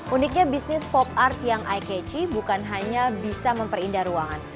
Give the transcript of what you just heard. uniknya bisnis pop art yang eye catchy bukan hanya bisa memperindah ruangan